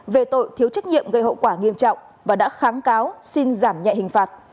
về tội thiếu trách nhiệm gây hậu quả nghiêm trọng và đã kháng cáo xin giảm nhẹ hình phạt